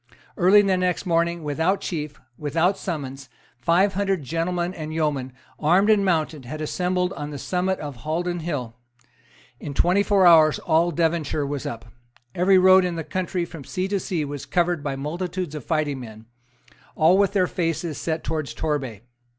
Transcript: Early the next morning, without chief, without summons, five hundred gentlemen and yeomen, armed and mounted, had assembled on the summit of Haldon Hill. In twenty four hours all Devonshire was up. Every road in the county from sea to sea was covered by multitudes of fighting men, all with their faces set towards Torbay.